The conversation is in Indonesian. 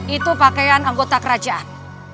itu pakaian anggota kerajaan